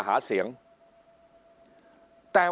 ฝ่ายชั้น